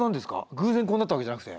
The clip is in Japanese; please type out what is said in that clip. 偶然こうなったわけじゃなくて？